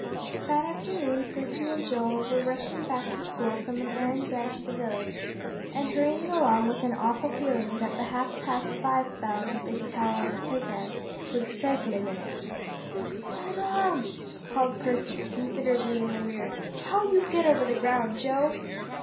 That afternoon, Percy and Joel were rushing back to school from an errand down to the village, and hurrying along with an awful feeling that the half past five bell in the big tower on the playground would strike in a minute. "Hold on," called Percy, considerably in the rear; "how you get over the ground, Joe!"